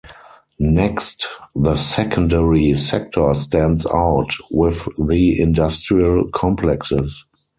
Next, the secondary sector stands out, with the industrial complexes.